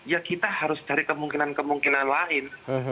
ya kita harus cari kemungkinan kemungkinan lain